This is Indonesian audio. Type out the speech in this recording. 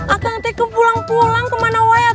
aku sudah pulang pulang ke mana saja